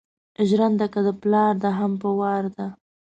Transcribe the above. ژېرنده که ده پلار ده هم په وار ده